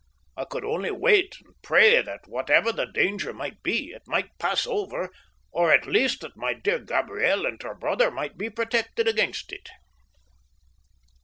I could only wait and pray that, whatever the danger might be, it might pass over, or at least that my dear Gabriel and her brother might be protected against it.